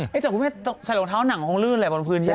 จากคุณแม่ใส่รองเท้าหนังคงลื่นแหละบนพื้นที่